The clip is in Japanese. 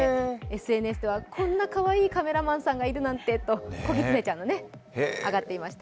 ＳＮＳではこんなかわいいカメラマンさんがいるなんてと子ぎつねちゃんが上がっていました。